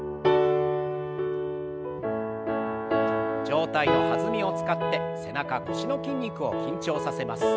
上体の弾みを使って背中腰の筋肉を緊張させます。